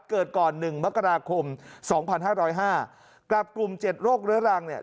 เกิดก่อน๑มกราคม๒๕๐๕กลับกลุ่ม๗โรคเรื้อรังเนี่ย